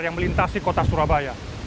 yang melintasi kota surabaya